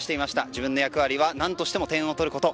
自分の役割は何としても点を取ること。